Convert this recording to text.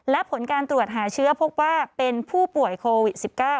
และผลการตรวจหาเชื้อพบว่าเป็นผู้ป่วยโควิด๑๙